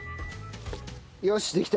よしできた！